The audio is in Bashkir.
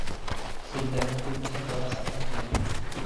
Сирҙәрҙең күбеһе бала саҡтан килә.